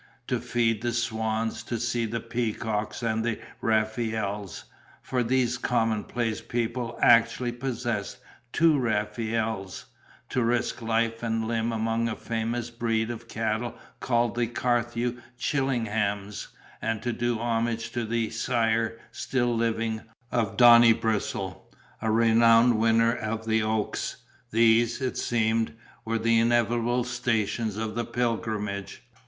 To feed the swans, to see the peacocks and the Raphaels for these commonplace people actually possessed two Raphaels to risk life and limb among a famous breed of cattle called the Carthew Chillinghams, and to do homage to the sire (still living) of Donibristle, a renowned winner of the oaks: these, it seemed, were the inevitable stations of the pilgrimage.